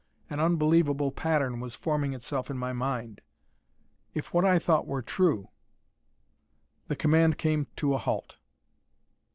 An unbelievable pattern was forming itself in my mind. If what I thought were true ! The command came to halt.